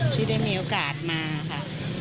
ที่ได้มีโอกาสมาค่ะ